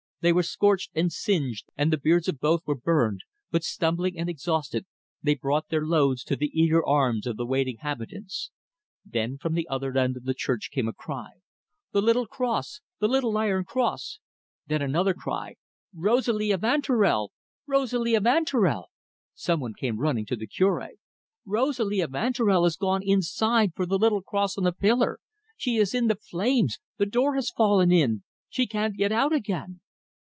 They were scorched and singed, and the beards of both were burned, but, stumbling and exhausted, they brought their loads to the eager arms of the waiting habitants. Then from the other end of the church came a cry: "The little cross the little iron cross!" Then another cry: "Rosalie Evanturel! Rosalie Evanturel!" Some one came running to the Cure. "Rosalie Evanturel has gone inside for the little cross on the pillar. She is in the flames; the door has fallen in. She can't get out again."